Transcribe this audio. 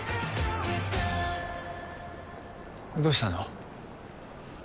どうしたの？